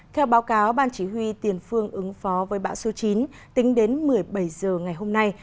theo báo cáo ban chỉ huy tiền phương ứng phó với bão số chín tính đến một mươi bảy h ngày hôm nay